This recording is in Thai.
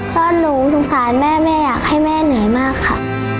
เพราะหนูสงสารแม่แม่อยากให้แม่เหนื่อยมากค่ะ